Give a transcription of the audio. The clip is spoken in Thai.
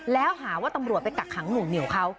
แล้วหาว่าตำรวจไปกักขังหน่วงเหนียวเขา